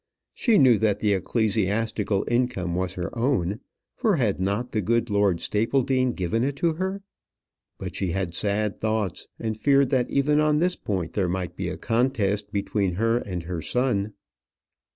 She knew that the ecclesiastical income was her own; for had not the good Lord Stapledean given it to her? But she had sad thoughts, and feared that even on this point there might be a contest between her and her son.